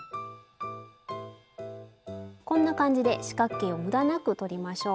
こんな感じで四角形をむだなくとりましょう。